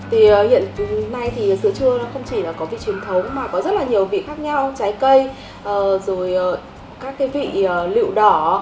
hiện nay sữa chua không chỉ có vị truyền thống mà có rất nhiều vị khác nhau trái cây các vị lựu đỏ